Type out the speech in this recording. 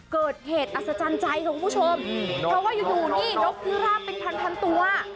เกิดเหตุอัศจรรย์ใจค่ะคุณผู้ชมเพราะว่าอยู่นี่นกพิราบเป็นพันพันตัว